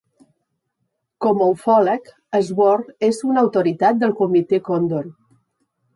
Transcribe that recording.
Com a ufòleg, Swords és una autoritat del Comitè Condon.